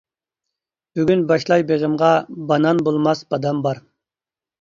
بۈگۈن باشلاي بېغىمغا، بانان بولماس بادام بار.